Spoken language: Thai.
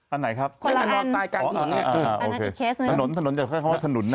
อันนั้นอีกเคสหนึ่ง